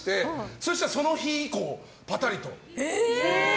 そうしたら、その日以降ぱたりと。